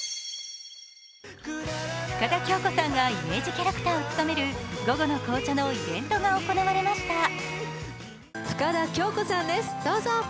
深田恭子さんがイメージキャラクターを務める午後の紅茶のイベントが行われました。